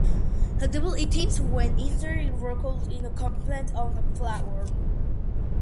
Edible items, when ingested, result in comments on their flavor.